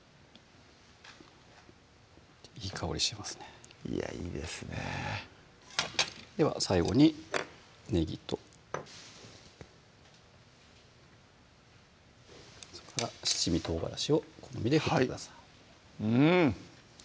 いい香りしますねいやいいですねぇでは最後にねぎとそれから七味唐辛子をお好みで振ってくださいうん！